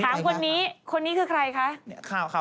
คนนี้คนนี้คือใครคะ